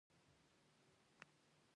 د څارویو د نسل اصلاح څنګه کیږي؟